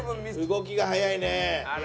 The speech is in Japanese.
動きが早いね。